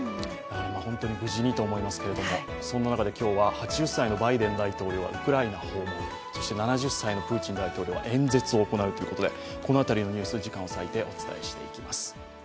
本当に無事にと思いますけど、そんな中で今日は８０歳のバイデン大統領がウクライナ訪問、そして７０歳のプーチン大統領は演説を行うということでこの辺りのニュース、時間を割いてお伝えしていきます。